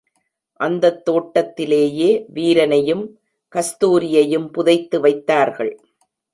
அந்தத் தோட்டத்திலேயே வீரனையும் கஸ்தூரியையும் புதைத்து வைத்தார்கள்.